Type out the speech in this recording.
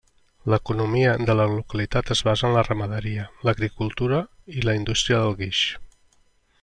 L'economia de la localitat es basa en la ramaderia, l'agricultura i la indústria del guix.